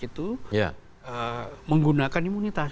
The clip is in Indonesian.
imunitas itu menggunakan imunitas